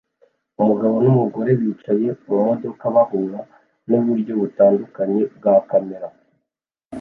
Umugabo numugore bicaye mumodoka bahura nuburyo butandukanye bwa kamera